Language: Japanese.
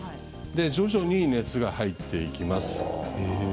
徐々に熱が入っていきます。